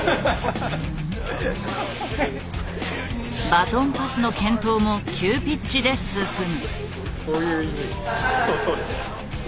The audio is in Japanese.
バトンパスの検討も急ピッチで進む。